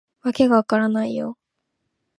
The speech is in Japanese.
わけが分からないよ